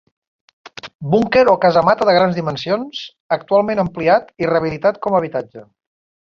Búnquer o casamata de grans dimensions, actualment ampliat i rehabilitat com a habitatge.